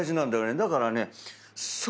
「だからね」